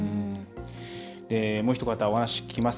もうひと方、お話聞きます。